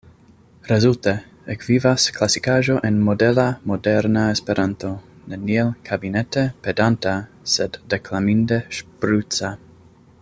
Rezulte: ekvivas klasikaĵo en modela, moderna Esperanto – neniel kabinete pedanta sed deklaminde ŝpruca.